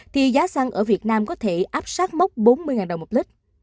thì giá xăng ở việt nam có thể áp sát mốc bốn mươi đồng một lít